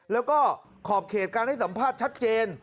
แล้วก็ขอบเขตการให้สัมภาษณ์ชัดเจน